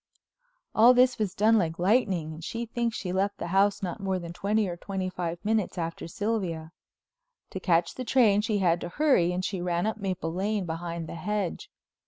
All this was done like lightning and she thinks she left the house not more than twenty or twenty five minutes after Sylvia. To catch the train she had to hurry and she ran up Maple Lane behind the hedge.